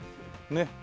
ねっ。